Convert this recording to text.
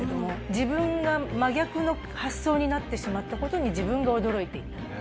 自分が真逆の発想になってしまった事に自分が驚いて。